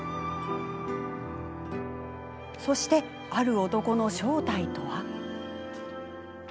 そして、ある男の正体とは？